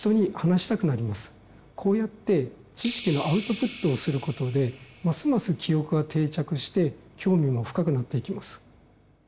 こうやって知識のアウトプットをすることでますます記憶が定着して興味も深くなっていきます。